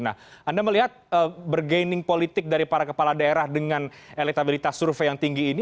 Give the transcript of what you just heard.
nah anda melihat ber gaining politik dari para kepala daerah dengan elektabilitas survei yang banyak